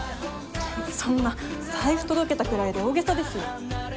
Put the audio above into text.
そんな財布届けたくらいで大げさですよ。